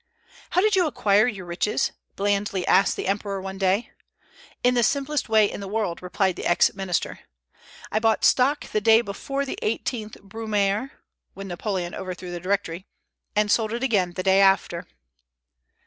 "How did you acquire your riches?" blandly asked the Emperor one day. "In the simplest way in the world," replied the ex minister. "I bought stock the day before the 18th Brumaire [when Napoleon overthrew the Directory], and sold it again the day after."